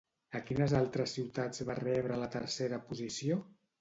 A quines altres ciutats va rebre la tercera posició?